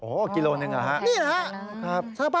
โอ้โหกิโลหนึ่งอ่ะฮะ